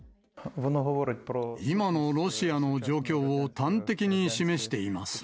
今のロシアの状況を端的に示しています。